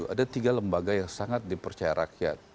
ada tiga lembaga yang sangat dipercaya rakyat